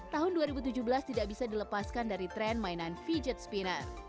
tahun dua ribu tujuh belas tidak bisa dilepaskan dari tren mainan vijat spinner